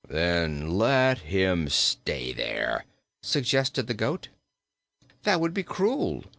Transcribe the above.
"Then let him stay there," suggested the goat. "That would be cruel.